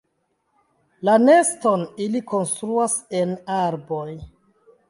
La neston ili konstruas en arboj.